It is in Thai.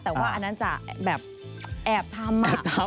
แต่ว่าอันนั้นจะแบบแอบทำ